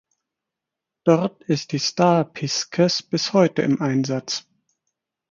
Dort ist die "Star Pisces" bis heute im Einsatz.